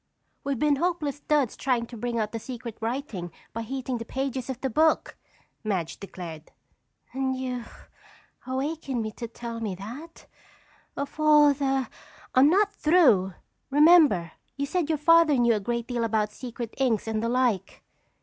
"We've been hopeless duds trying to bring out the secret writing by heating the pages of the book!" Madge declared. "And you awakened me to tell me that? Of all the—" "I'm not through. Remember, you said your Father knew a great deal about secret inks and the like."